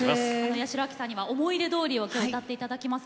八代亜紀さんには「想い出通り」を歌っていただきます。